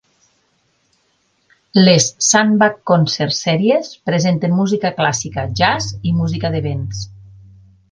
Les Sandbach Concert Series presenten música clàssica, jazz i música de vents.